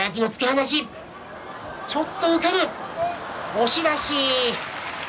押し出し。